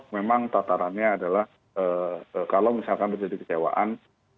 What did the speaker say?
memang tatarannya adalah kalau misalkan terjadi kecewaan